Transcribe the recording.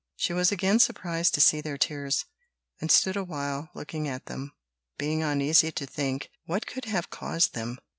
She was again surprised to see their tears, and stood a while looking at them, being uneasy to think what could have caused them.